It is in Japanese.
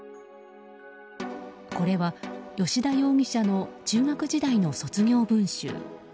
これは吉田容疑者の中学時代の卒業文集。